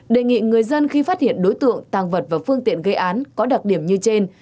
đề nghị người dân khi phát hiện đối tượng tàng vật và phương tiện gây án có đặc điểm như trên